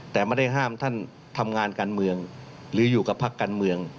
แต่ไม่ได้ห้ามท่านทำงานการเมืองหรืออยู่กับพักการเมือง